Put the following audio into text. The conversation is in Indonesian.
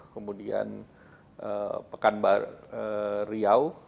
kemudian pekanbar riau